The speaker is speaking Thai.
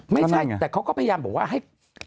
ไม่ใช่แต่เขาก็พยายามบอกว่าให้